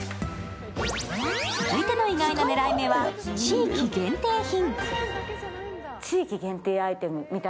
続いての意外な狙い目は地域限定品。